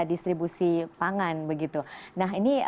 distribusi pangan begitu nah ini